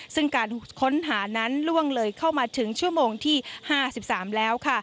ซึ่งการค้นหานั้นล่วงเลยเข้ามาถึงชั่วโมงที่๕๓แล้ว